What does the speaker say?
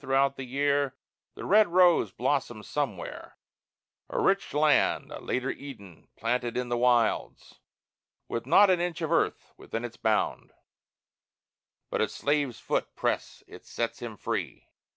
throughout the year The red rose blossoms somewhere a rich land, A later Eden planted in the wilds, With not an inch of earth within its bound But if a slave's foot press it sets him free.